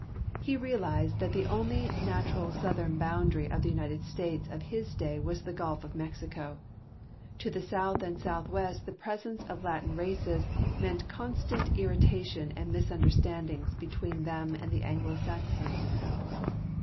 He realized that the only natural southern boundary of the United States of his day was the gulf of Mexico. To the south and southwest the pre.sence of Latin races meant constant irrita tion and misunderstandings between them and the Anglo Saxons.